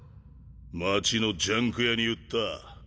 町のジャンク屋に売った。